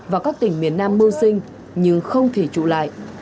và các tỉnh miền nam mưu sinh nhưng không thể trụ lại